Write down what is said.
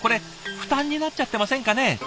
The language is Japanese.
負担になっちゃってませんかね？